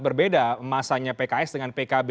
berbeda masanya pks dengan pkb